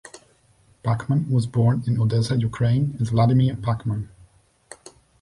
Pachmann was born in Odessa, Ukraine as Vladimir Pachmann.